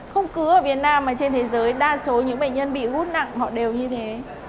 không cứ ở việt nam mà trên thế giới đa số những bệnh nhân bị gút nặng họ đều như thế